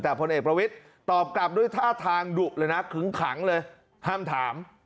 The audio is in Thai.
แต่พลเอกประวิทย์ตอบกลับด้วยท่าทางดุเลยนะขึ้งขังเลยห้ามถาม